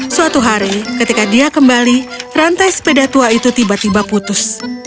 suatu hari ketika dia kembali rantai sepeda tua itu tiba tiba putus